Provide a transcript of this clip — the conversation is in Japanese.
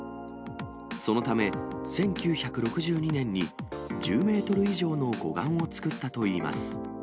そのため、１９６２年に１０メートル以上の護岸を作ったといいます。